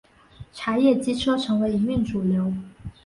柴液机车成为营运主流。